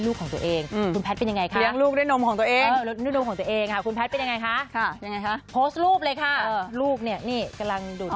ลูกนี่กำลังดูด